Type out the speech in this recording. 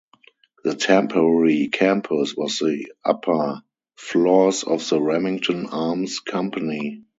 The temporary campus was the upper floors of the Remington Arms Company.